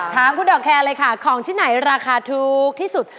ถามคุณดอกแคร์เลยค่ะของที่ไหนราคาถูกที่สุด